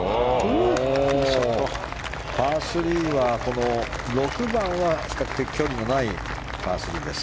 パー３は６番は比較的距離のないパー３です。